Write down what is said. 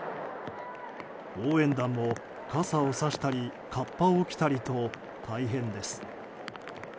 応援団も傘をさしたり合羽を着たりと大変です。